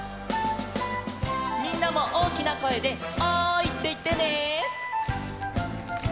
みんなもおおきなこえで「おい！」っていってね。